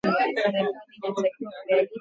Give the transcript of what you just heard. kilimo cha viazi